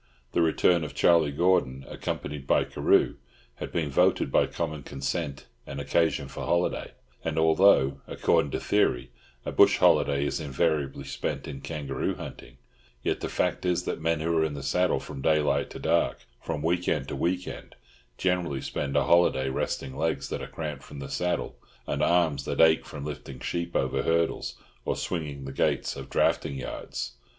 The return of Charlie Gordon, accompanied by Carew, had been voted by common consent an occasion for holiday; and although, according to theory, a bush holiday is invariably spent in kangaroo hunting, yet the fact is that men who are in the saddle from daylight to dark, from week end to week end, generally spend a holiday resting legs that are cramped from the saddle, and arms that ache from lifting sheep over hurdles or swinging the gates of drafting yards.